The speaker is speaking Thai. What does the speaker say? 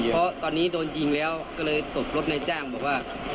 เพราะตอนนี้โดนยิงแล้วก็เลยตบรถนายจ้างบอกว่า